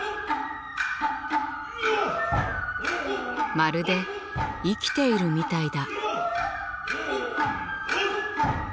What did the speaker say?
まるで生きているみたいだ。